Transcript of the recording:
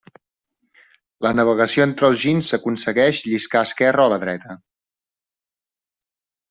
La navegació entre els ginys s'aconsegueix lliscar esquerra o la dreta.